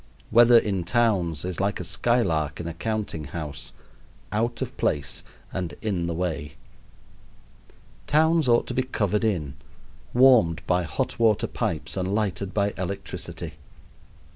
Weather in towns is like a skylark in a counting house out of place and in the way. Towns ought to be covered in, warmed by hot water pipes, and lighted by electricity.